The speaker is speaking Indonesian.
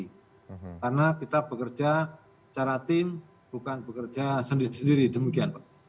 karena kita bekerja secara tim bukan bekerja sendiri demikian pak